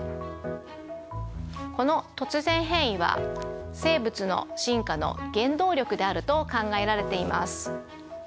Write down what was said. この突然変異は生物の進化の原動力であると考えられています。